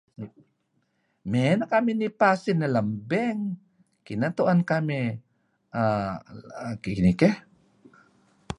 Meyneh kamih nipa usin mey lem bank. kinah tu'en kamih err kinih keh.